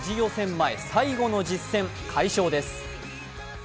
前最後の実戦、快勝です。